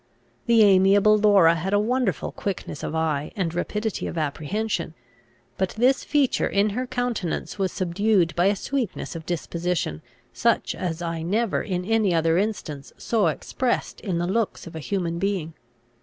The amiable Laura had a wonderful quickness of eye, and rapidity of apprehension; but this feature in her countenance was subdued by a sweetness of disposition, such as I never in any other instance saw expressed in the looks of a human being.